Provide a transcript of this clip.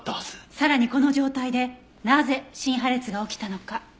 さらにこの状態でなぜ心破裂が起きたのか。